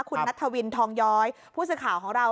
คุณนัทธวินทองย้อยผู้สื่อข่าวของเรา